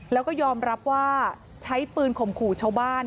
แล้วก็ยอมรับว่าใช้ปืนข่มขู่ชาวบ้าน